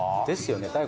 ですよね